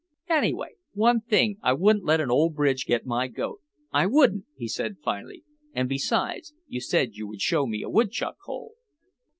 "Anyway, one thing, I wouldn't let an old bridge get my goat, I wouldn't," he said finally, "and besides, you said you would show me a woodchuck hole."